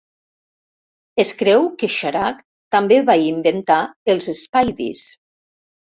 Es creu que Sharak també va inventar els spiedies.